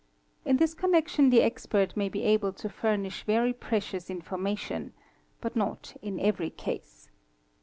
In this connection the expert may be able to furnish very precious information—but not in every case.